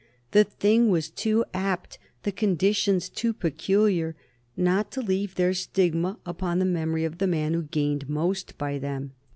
The thing was too apt, the conditions too peculiar not to leave their stigma upon the memory of the man who gained most by them.